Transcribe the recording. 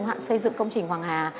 hạn xây dựng công trình hoàng hà